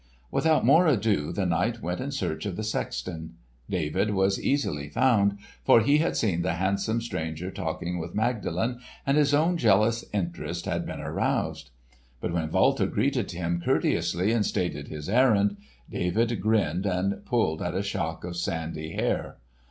Without more ado the knight went in search of the sexton. David was easily found, for he had seen the handsome stranger talking with Magdalen and his own jealous interest had been aroused. But when Walter greeted him courteously and stated his errand, David grinned and pulled at a shock of sandy hair.